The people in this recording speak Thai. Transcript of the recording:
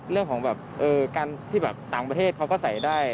เรื่องของแบบการที่แบบต่างประเทศเขาก็ใส่ได้